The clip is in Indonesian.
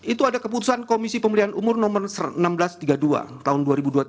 itu ada keputusan komisi pemilihan umum no seribu enam ratus tiga puluh dua tahun dua ribu dua puluh tiga